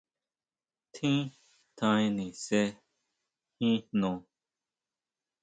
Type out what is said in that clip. Tjín tjaen nise jin jno.